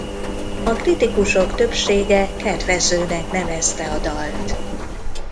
A kritikusok többsége kedvezőnek nevezte a dalt.